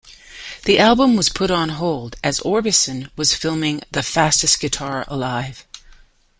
The album was put on hold as Orbison was filming "The Fastest Guitar Alive".